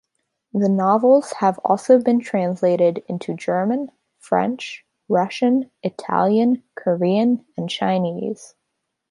The novels have also been translated into German, French, Russian, Italian, Korean and Chinese.